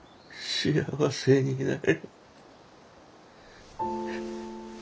幸せになれ。